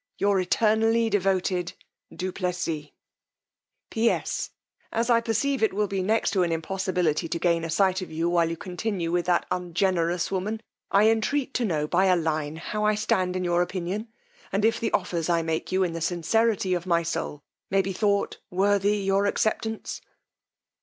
Your eternally devoted Du Plessis. P.S. As I perceive it will be next to an impossibility to gain a sight of you while you continue with that ungenerous woman, I entreat to know by a line how I stand in your opinion, and if the offers I make you, in the sincerity of my soul, may be thought worthy your acceptance."